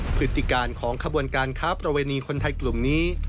พฤติการของขบวนการค้าประเวณีคนไทยกลุ่มนี้